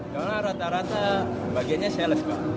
karena rata rata bagiannya sales kak